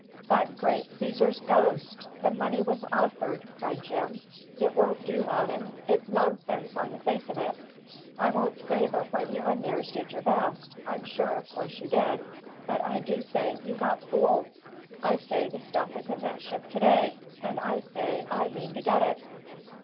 "But, great Caesar's ghost! the money was offered!" cried Jim. "It won't do, Loudon; it's nonsense, on the face of it! I don't say but what you and Nares did your best; I'm sure, of course, you did; but I do say, you got fooled. I say the stuff is in that ship to day, and I say I mean to get it."